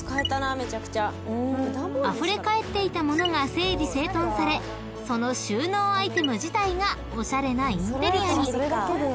［あふれかえっていた物が整理整頓されその収納アイテム自体がおしゃれなインテリアに］